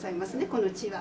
この地は。